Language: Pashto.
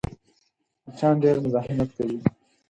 مچان ډېر مزاحمت کوي